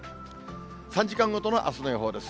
３時間ごとのあすの予報です。